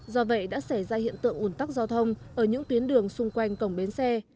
do vậy đã xảy ra hiện tượng ủn tắc giao thông ở những tuyến đường xung quanh cổng bến xe